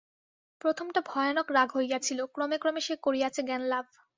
প্রথমটা ভয়ানক রাগ হইয়াছিল, ক্রমে ক্রমে সে করিয়াছে জ্ঞানলাভ।